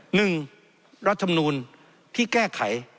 หนึ่งรัฐธรรมนุนที่แก้ไข